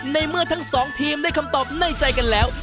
ในเมื่อทั้งสองทีมได้คำตอบในใจกันแล้ว